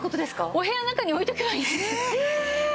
お部屋の中に置いとけばいいんです。